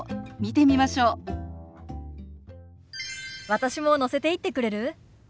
私も乗せていってくれる？